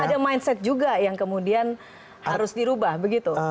jadi ada mindset juga yang kemudian harus dirubah begitu